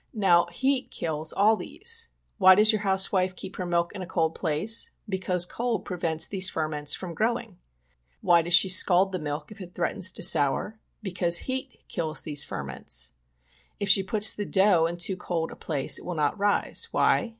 Now, heat kills all these ; why does your house wife keep her milk in a cold place ? because cold prevents these ferments from growing. Why does she scald the milk if it threatens to sour ? because heat kills these fer ments. If she puts the dough in too cold a place it will not rise, why